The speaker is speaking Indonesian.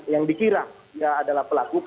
yang dikira dia adalah pelaku